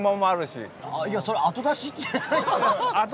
それ、後出しって。